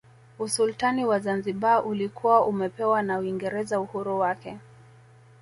Usultani wa Zanzibar ulikuwa umepewa na Uingereza uhuru wake